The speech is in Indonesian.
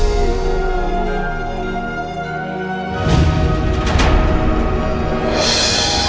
jangan lupa untuk berlangganan